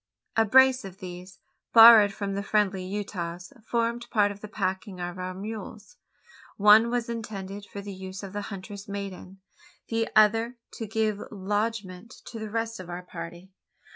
A brace of these, borrowed from the friendly Utahs, formed part of the packing of our mules. One was intended for the use of the huntress maiden the other to give lodgment to the rest of our party.